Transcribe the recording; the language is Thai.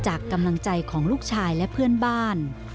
จากกำลังใจของลูกชายและเพื่อนบ้าน